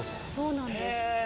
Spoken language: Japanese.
そうなんです。